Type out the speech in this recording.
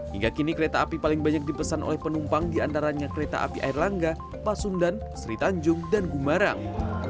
hingga kini kereta api paling banyak dipesan oleh penumpang di antaranya kereta api air langga pasundan seritanjung dan gumarang